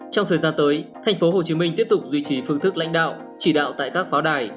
trong thời gian tới tp hcm tiếp tục duy trì phương thức lãnh đạo chỉ đạo tại các pháo đài